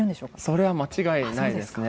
それは間違いないですね。